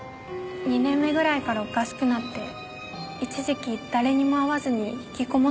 ２年目ぐらいからおかしくなって一時期誰にも会わずに引きこもってしまったんです。